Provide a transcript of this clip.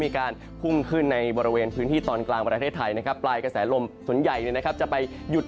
มีการพุ่งขึ้นในบริเวณพื้นที่ตอนกลางประเทศไทยนะครับปลายกระแสลมส่วนใหญ่เนี่ยนะครับจะไปหยุด